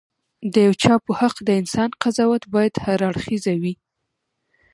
د یو چا په حق د انسان قضاوت باید هراړخيزه وي.